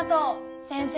先生